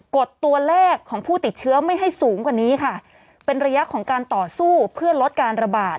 ดตัวเลขของผู้ติดเชื้อไม่ให้สูงกว่านี้ค่ะเป็นระยะของการต่อสู้เพื่อลดการระบาด